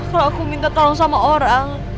kalau aku minta tolong sama orang